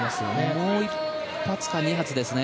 もう１発か２発ですね。